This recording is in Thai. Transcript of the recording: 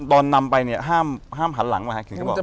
ตอนนำไปเนี่ยห้ามหันหลังไหมครับคุณก็บอก